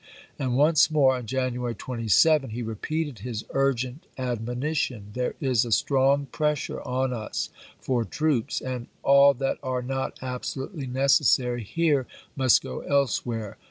And once %'. soe. " more, on January 27, he repeated his urgent ad monition :" There is a strong pressure on us for troops, and all that are not absolutely necessary here must go elsewhere.